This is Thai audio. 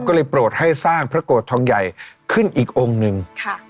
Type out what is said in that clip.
ก็เลยโปรดให้สร้างพระโกรธทองใหญ่ขึ้นอีกองค์หนึ่ง